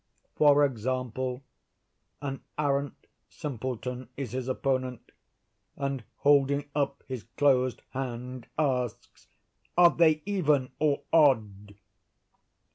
For example, an arrant simpleton is his opponent, and, holding up his closed hand, asks, 'are they even or odd?